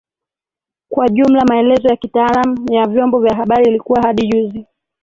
Kwa jumla maelezo ya kitaalamu ya vyombo vya habari ilikuwa hadi juzi